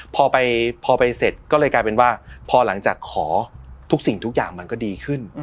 พอไปเสร็จก็เลยกลายเป็นว่าพอหลังจากขอทุกสิ่งทุกอย่างมันก็ดีขึ้น